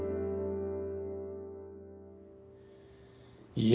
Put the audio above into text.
いや